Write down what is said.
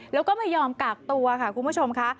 แล้วก็ไม่ยอมกากตัวค่ะคุณผู้ชมค่ะ